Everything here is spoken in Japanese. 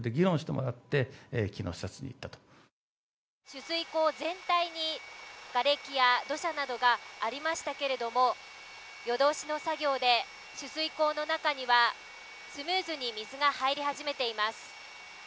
取水口全体に瓦礫や土砂などがありましたけれども、夜通しの作業で取水口の中にはスムーズに水が入り始めています。